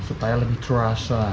supaya lebih terasa